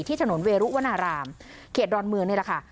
ที่ถนนเวรุวรรณารามเขตรรดเมืองนี่แหละค่ะ